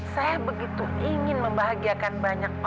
saya begitu ingin membahagiakan banyak orang